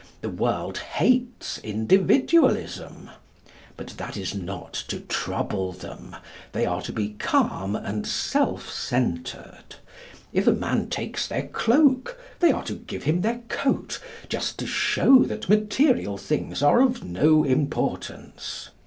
The world hates Individualism. But that is not to trouble them. They are to be calm and self centred. If a man takes their cloak, they are to give him their coat, just to show that material things are of no importance.